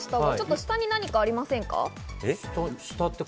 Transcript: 下に何かありませんか？